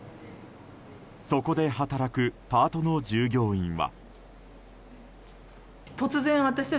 そこで働くパートの従業員は。